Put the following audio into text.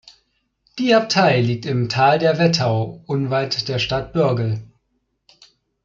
Die Abtei liegt im Tal der Wethau unweit der Stadt Bürgel.